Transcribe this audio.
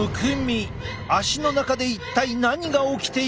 足の中で一体何が起きているのか？